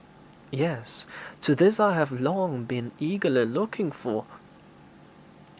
'Yes; to this I have long been eagerly looking forward.'